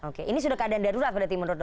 oke ini sudah keadaan darurat pada timur dokter